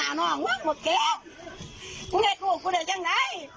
มันเป็นวันเรียงมันเป็นวันเรียง